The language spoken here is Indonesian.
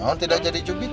kau nah tidak jadi cubit